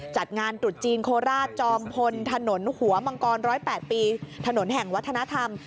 จัดงานตรุษจีนโคราชจอมพลถนนหัวมังกร๑๐๘ปีถนนแห่งวัฒนธรรม